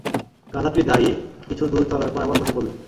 গাধাটি দাঁড়িয়ে কিছু দূর চলার পর আবার বসে পড়ল।